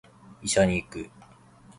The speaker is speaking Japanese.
医者に行く